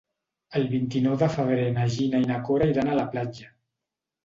El vint-i-nou de febrer na Gina i na Cora iran a la platja.